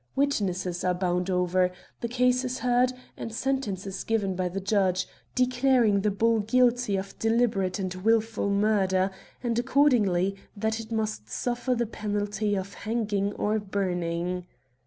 Witnesses are bound over, the case is heard, and sentence is given by the judge, declaring the bull guilty of deliberate and wilful murder ; and, accord ingly, that it must suffer the penalty of hanging or burning.